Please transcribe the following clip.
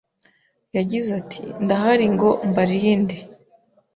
Yagize ati ndahari ngo mbarinde